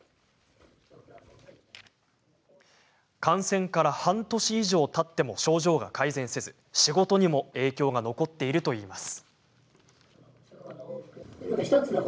感染から半年以上たっても症状が改善せず仕事にも影響が残っているといいます。